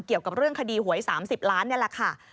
เกี่ยวกับเรื่องคดีหวย๓๐ล้านนี่แหละค่ะ